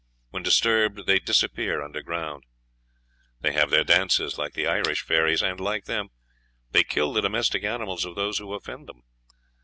When disturbed they disappear underground. They have their dances, like the Irish fairies; and, like them, they kill the domestic animals of those who offend them.